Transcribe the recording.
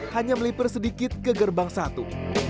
hanya meliper sedikit ke gerbang satu